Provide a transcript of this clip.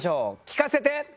聞かせて。